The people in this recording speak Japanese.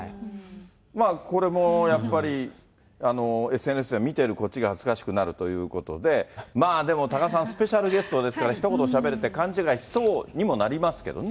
まあこれも、やっぱりＳＮＳで、見てるこっちが恥ずかしくなるということで、まあでも多賀さん、スペシャルゲストですから、ひと言しゃべれるって勘違いしそうにもなりますけどね。